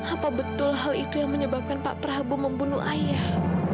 apa betul hal itu yang menyebabkan pak prabowo membunuh ayah